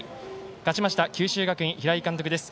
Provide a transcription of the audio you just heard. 勝ちました九州学院、平井監督です。